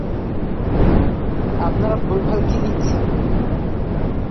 আপনারা ভুল ভাল কি লিখেছেন